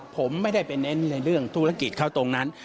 ผมไม่ได้ไปเน้นในเรื่องธุรกิจเขาตรงนั้น